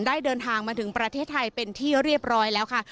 เดินทางมาถึงประเทศไทยเป็นที่เรียบร้อยแล้วค่ะ